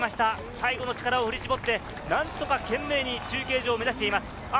最後の力を振り絞って、なんとか懸命に中継所を目指しています。